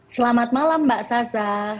selamat malam mbak sasa